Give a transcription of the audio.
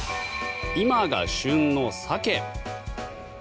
今が旬のサケ。